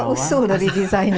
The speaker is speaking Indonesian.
asal usul dari desain ini